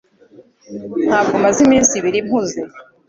Ntabwo maze iminsi ibiri mpuze